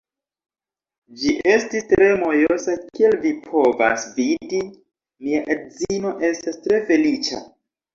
Ĝi estis tre mojosa kiel vi povas vidi, mia edzino estas tre feliĉa